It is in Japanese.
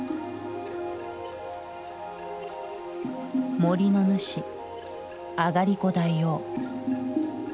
森の主あがりこ大王。